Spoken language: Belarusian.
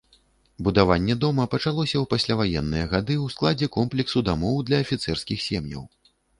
Будаванне дома пачалося ў пасляваенныя гады ў складзе комплексу дамоў для афіцэрскіх сем'яў.